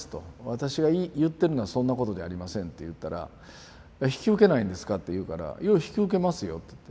「私が言ってるのはそんなことじゃありません」と言ったら「引き受けないんですか？」って言うから「いや引き受けますよ」と。